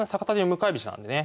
向かい飛車なんでね。